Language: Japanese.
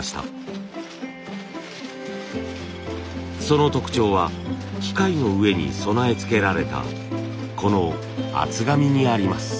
その特徴は機械の上に備え付けられたこの厚紙にあります。